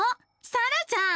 さらちゃん。